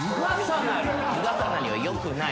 湯重なりはよくない。